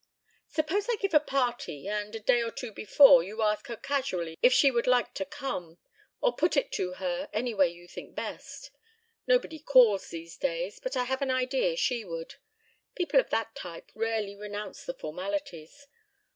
"Suppose I give a party, and, a day or two before, you ask her casually if she would like to come or put it to her in any way you think best. Nobody calls these days, but I have an idea she would. People of that type rarely renounce the formalities.